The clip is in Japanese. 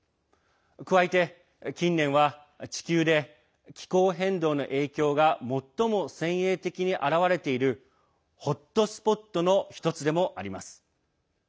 加えて、近年は地球で気候変動の影響が最も先鋭的に現れているホットスポットの１つでもあります。